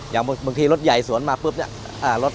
อย่างบังทีรถใหญ่สวนมาปุ๊บไหน